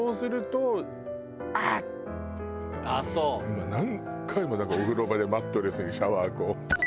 もう何回もだからお風呂場でマットレスにシャワーこう。